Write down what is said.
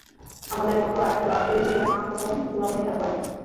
আমাদের মত আরেকটা লাভ স্টোরি পেলে মা কসম গোলাম হয়ে থাকব আজীবন।